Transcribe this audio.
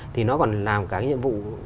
thì nó còn làm cả cái nhiệm vụ